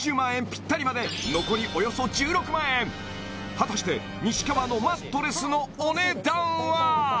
果たして西川のマットレスのお値段は？